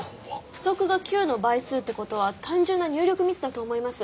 不足が９の倍数ってことは単純な入力ミスだと思います。